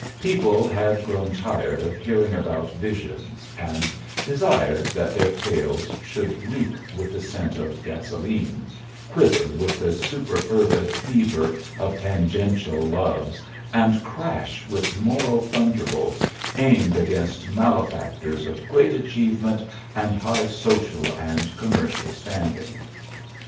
People had grown tired of hearing about Visions, and desired that their tales should reek with the scent of gasoline, quiver with the superfervid fever of tangential loves, and crash with moral thunderbolts aimed against malefactors of great achievement and high social and commercial standing.